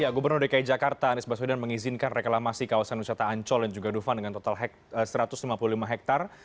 gubernur dki jakarta anies baswedan mengizinkan reklamasi kawasan wisata ancol yang juga duvan dengan total satu ratus lima puluh lima hektare